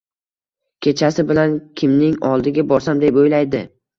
Kechasi bilan kimning oldiga borsam deb oʻylaydi.